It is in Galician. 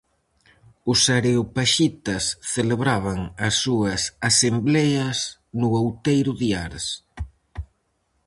Os areopaxitas celebraban as súas asembleas no outeiro de Ares.